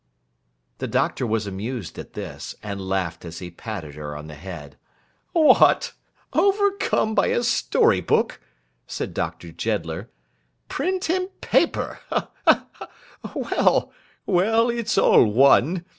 The Doctor was amused at this; and laughed as he patted her on the head. 'What! overcome by a story book!' said Doctor Jeddler. 'Print and paper! Well, well, it's all one.